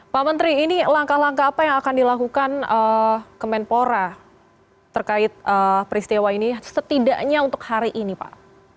pak menteri ini langkah langkah apa yang akan dilakukan kemenpora terkait peristiwa ini setidaknya untuk hari ini pak